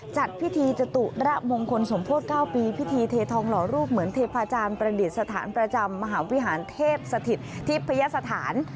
จัดพิธีจตุระมงคลสมโพธิ๙ปีพิธีเททองหล่อรูปเหมือนเทพาจารย์ประดิษฐานประจำมหาวิหารเทพสถิตทิพยสถาน